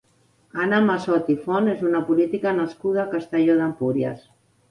Anna Massot i Font és una política nascuda a Castelló d'Empúries.